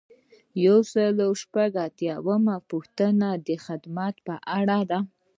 یو سل او شپږ اتیایمه پوښتنه د خدمت په اړه ده.